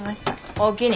おおきに。